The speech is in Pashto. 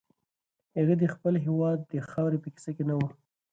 هغه د خپل هېواد د خاورې په کیسه کې نه و.